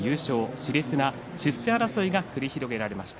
しれつな出世争いが繰り広げられました。